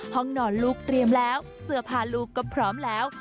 ห้องนอนลูกเตรียมแล้วเสื้อผ้าลูกก็พร้อมแล้ว